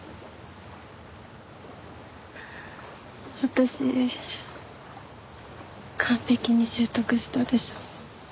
私完璧に習得したでしょ。